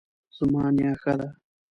زما نیا ښه ده